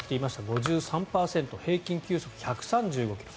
５３％平均球速１３５ｋｍ